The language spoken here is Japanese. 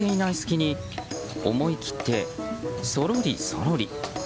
こちらを見ていない隙に思い切って、そろりそろり。